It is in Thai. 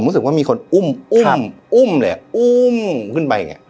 รู้สึกว่ามีคนอุ้มอุ้มอุ้มเลยอุ้มขึ้นไปอย่างนี้